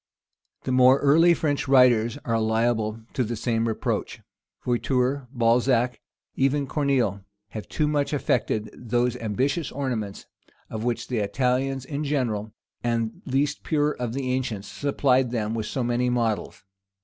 The more early French writers are liable to the same reproach. Voiture, Balzac, even Coraeneille, have too much affected those ambitious ornaments, of which the Italians in general, and the least pure of the ancients, supplied them with so many models.